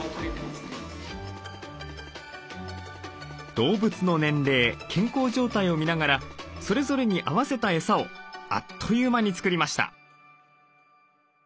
動物の年齢健康状態を見ながらそれぞれに合わせたエサをあっという間に作りました。